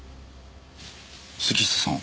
杉下さん。